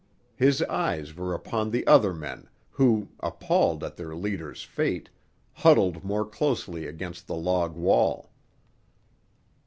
His eyes were upon the other men, who, appalled at their leader's fate, huddled more closely against the log wall.